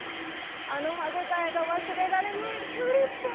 あの歯応えが忘れられないウルテ。